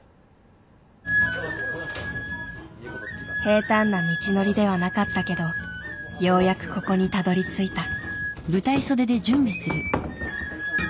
平たんな道のりではなかったけどようやくここにたどりついた。